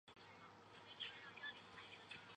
马里尼莱沙泰人口变化图示